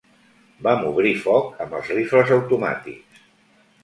Vam obrir foc amb els rifles automàtics.